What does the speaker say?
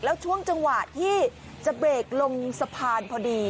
แล้วช่วงจังหวะที่จะเบรกลงสะพานพอดี